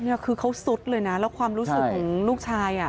นี่คือเขาสุดเลยนะแล้วความรู้สึกของลูกชายอ่ะ